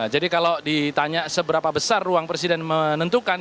jadi kalau ditanya seberapa besar ruang presiden menentukan